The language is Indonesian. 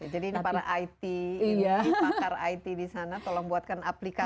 jadi ini para it pakar it di sana tolong buatkan aplikasi